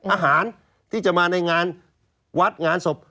อาหารที่จะมาในงานวัดงานศพ